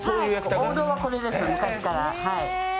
王道はこれです、昔から。